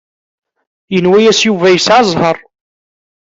Yenwa-yas Yuba yesɛa zzheṛ.